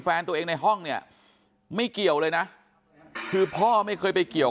แฟนตัวเองในห้องเนี่ยไม่เกี่ยวเลยนะคือพ่อไม่เคยไปเกี่ยว